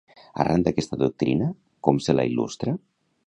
Arran d'aquesta doctrina, com se la il·lustra?